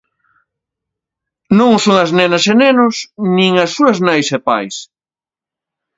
Non o son as nenas e nenos nin as súas nais e pais.